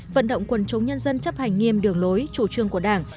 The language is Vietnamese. vận động quân chống nhân dân chấp hành nghiêm đường lối chủ trương của đảng